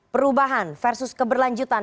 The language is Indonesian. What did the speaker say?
perubahan versus keberlanjutan